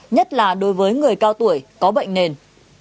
nhất là đối với người cao tuổi có bệnh nền